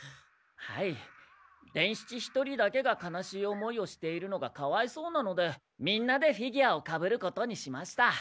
はい伝七一人だけが悲しい思いをしているのがかわいそうなのでみんなでフィギュアをかぶることにしました。